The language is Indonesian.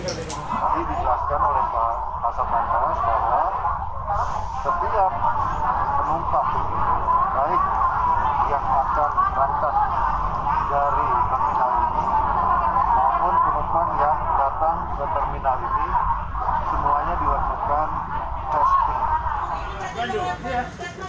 semuanya diwakilkan testing